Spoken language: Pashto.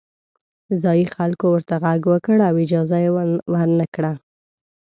ځايي خلکو ورته غږ وکړ او اجازه یې ورنه کړه.